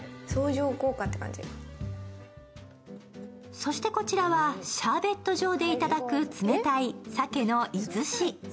そしてこちらは、シャーベット状でいただく冷たい鮭のいずし。